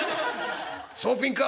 総ピンか。